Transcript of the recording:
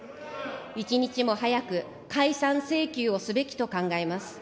一日も早く解散請求をすべきと考えます。